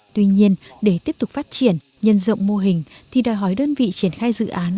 tuy nhiên để tiếp tục phát triển nhân rộng mô hình thì đòi hỏi đơn vị triển khai dự án